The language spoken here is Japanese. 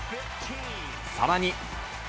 さらに。